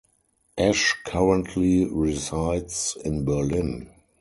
Esch currently resides in Berlin.